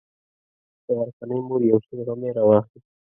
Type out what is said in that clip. د غرڅنۍ مور یو شین غمی راواخیست.